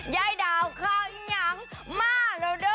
ยายดาวข้าวอียังมาแล้วเด้อ